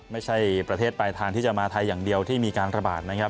ไม่ใช่ประเทศปลายทางที่จะมาไทยอย่างเดียวที่มีการระบาดนะครับ